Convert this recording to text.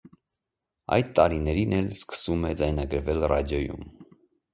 Այդ տարիներին էլ սկսում է ձայնագրվել ռադիոյում։